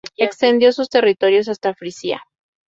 Extendió sus territorios hasta Frisia.